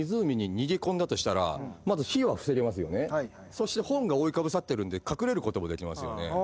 そして本が覆いかぶさってるんで隠れることもできますよね。